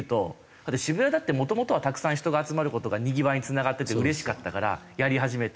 だって渋谷だってもともとはたくさん人が集まる事がにぎわいにつながっててうれしかったからやり始めて。